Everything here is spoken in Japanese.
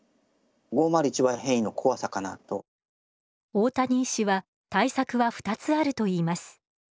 大谷医師は対策は２つあると言います。